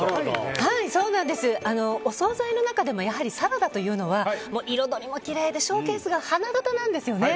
お総菜の中でもサラダというのは彩りもきれいでショーケースが花形なんですよね。